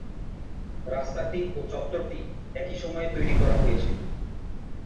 রাস্তাটি ও চত্বরটি একই সময়ে তৈরি করা হয়েছিল।